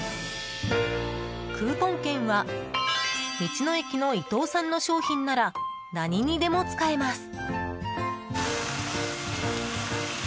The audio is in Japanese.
クーポン券は道の駅の伊東産の商品なら何にでも使えます。